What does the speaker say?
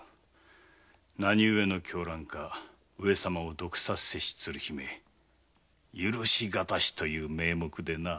何ゆえの狂乱か上様を毒殺せし鶴姫許しがたしという名目でな。